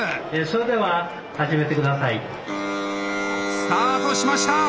「それでは始めて下さい」。スタートしました！